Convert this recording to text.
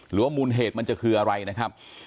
หรือว่ามูลเหตุมันจะคืออะไรนะครับ